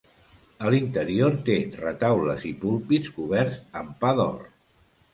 A l'interior té retaules i púlpits coberts amb pa d'or.